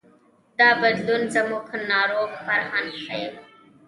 دا بدلون زموږ ناروغ فرهنګ ښيي.